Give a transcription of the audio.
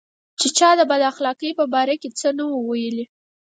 چې چا د بد اخلاقۍ په باره کې څه نه وو ویلي.